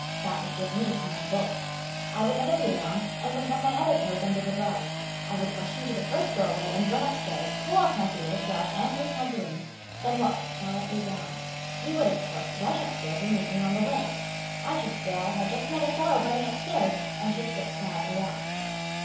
That would give me time to bolt. I would have a beard on, and would have my other clothes under the blouse. I would rush into the first doorway and run up stairs, pull off my beard, blouse, and blue pantaloons, and then walk quietly down. You would, of course, rush up stairs and meet me on the way. I should say I had just met a fellow running up stairs, and should slip quietly off."